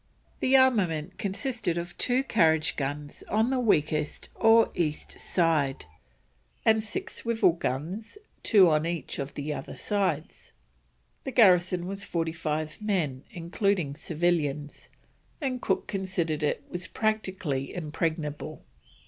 The armament consisted of two carriage guns on the weakest or east side, and six swivel guns, two on each of the other sides. The garrison was forty five men, including civilians, and Cook considered it was practically impregnable.